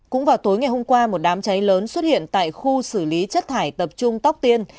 cũng vào tối ngày hôm qua một đám cháy lớn xuất hiện tại khu xử lý chất thải tập trung tóc tiên